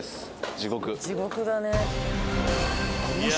地獄だね。